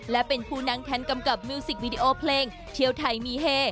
และเป็นผู้นั่งแทนกำกับมิวสิกวีดีโอเพลงเที่ยวไทยมีเฮ